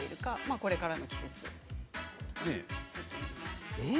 これからの季節。